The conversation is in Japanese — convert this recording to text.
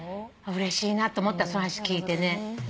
うれしいなと思ったその話聞いてね。